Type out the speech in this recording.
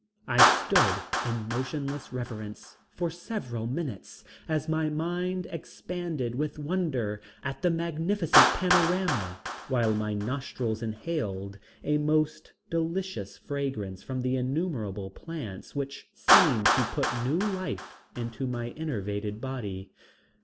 I stood in motionless reverence for several minutes as my mind expanded with wonder at the magnificent panorama, while my nostrils inhaled a most delicious fragrance from the innumerable plants which seemed to put new life into my enervated body.